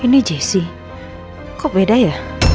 ini jesse kok beda ya